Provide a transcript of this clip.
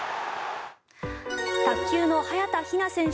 卓球の早田ひな選手